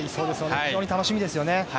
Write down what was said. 非常に楽しみですよね。